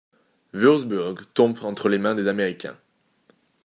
Würzburg tombe entre les mains des Américains.